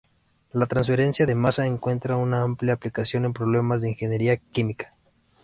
La transferencia de masa encuentra una amplia aplicación en problemas de ingeniería química.